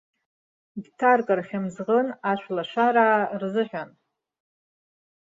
Дҭаркыр хьымӡӷын ашәлашараа рзыҳәан.